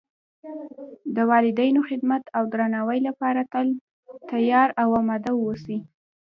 د والدینو خدمت او درناوۍ لپاره تل تیار او آماده و اوسئ